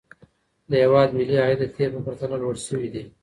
د هيواد ملي عايد د تېر په پرتله لوړ سوى دى.